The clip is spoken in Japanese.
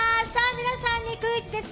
皆さんにクイズです。